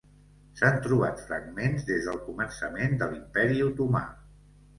S'han trobat fragments des del començament de l'Imperi otomà.